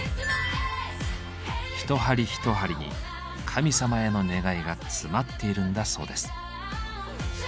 一針一針に神様への願いが詰まっているんだそうです。